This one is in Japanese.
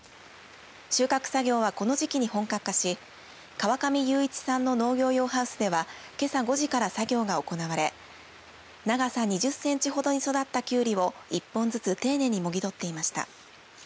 収穫作業はこの時期に本格化し川上裕一さんの農業用ハウスではけさ５時から作業が行われ長さ２０センチほどに育ったキュウリを１本ずつ丁寧にもぎ取っていました。